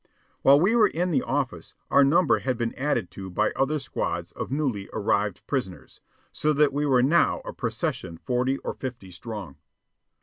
While we were in the office, our number had been added to by other squads of newly arrived prisoners, so that we were now a procession forty or fifty strong.